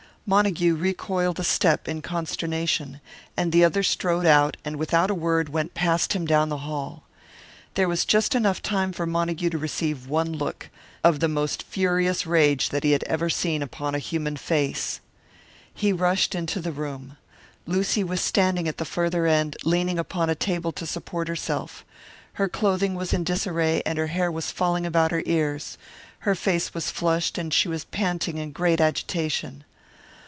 Montague recoiled a step in consternation; and the other strode out, and without a word went past him down the hall. There was just time enough for Montague to receive one look of the most furious rage that he had ever seen upon a human face. He rushed into the room. Lucy was standing at the farther end, leaning upon a table to support herself. Her clothing was in disarray, and her hair was falling about her ears; her face was flushed, and she was panting in great agitation.